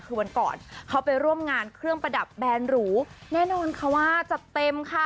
คือวันก่อนเขาไปร่วมงานเครื่องประดับแบนหรูแน่นอนค่ะว่าจัดเต็มค่ะ